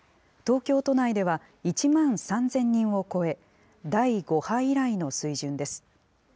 東京都内では１万３０００人を超え、第５波以来の水準です。